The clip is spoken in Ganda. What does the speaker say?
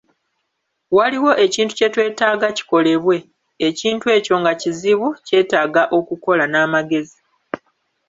Waliwo ekintu kye twetaaga kikolebwe; ekintu ekyo nga kizibu, kyetaaga okukola n'amagezi.